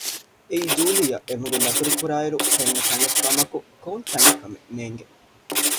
އެއީ ޖޫލީއަށް އެމަގުން ދަތުރުކުރާ އިރު ފެންނަ ތަނެއްކަމަކު ކޮންތަނެއް ކަމެއް ނޭގެ